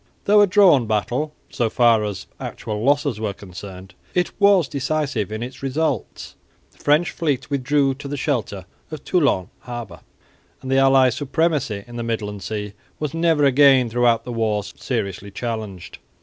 Though a drawn battle, so far as actual losses were concerned, it was decisive in its results. The French fleet withdrew to the shelter of Toulon harbour; and the allies' supremacy in the midland sea was never again throughout the war seriously challenged.